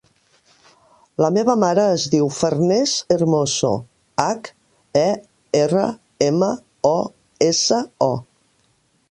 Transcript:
La meva mare es diu Farners Hermoso: hac, e, erra, ema, o, essa, o.